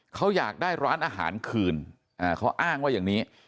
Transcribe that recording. เขาอยากได้ร้านอาหารคืนเขาอ้างว่าอย่างนี้